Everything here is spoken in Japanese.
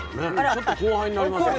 ちょっと後輩になりますよね。